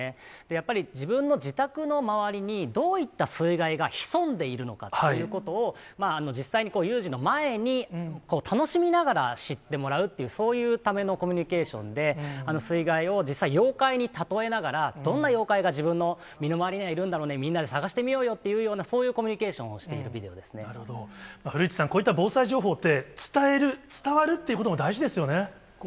やっぱり自分の自宅の周りに、どういった水害が潜んでいるのかということを、実際に有事の前に、楽しみながら知ってもらうっていう、そういうためのコミュニケーションで、水害を実際、妖怪に例えながら、どんな妖怪が自分の身の回りにはいるんだろうね、みんなで探してみようよという、そういうコミュニケーションをし古市さん、こういった防災情報って、伝える、伝わるっていうのも大事ですよね。